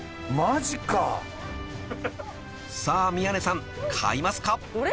［さあ宮根さん買いますか？］